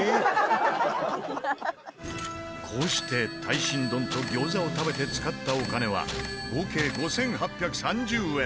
こうして大新丼と餃子を食べて使ったお金は合計５８３０円。